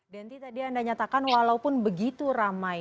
denti tadi anda nyatakan walaupun begitu ramai